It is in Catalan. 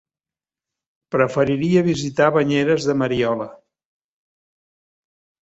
Preferiria visitar Banyeres de Mariola.